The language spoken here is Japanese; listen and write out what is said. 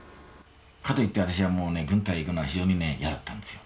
かといって私はもうね軍隊行くのは非常にねやだったんですよ。